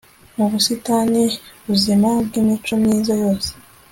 Mu busitani buzima bwimico myiza yose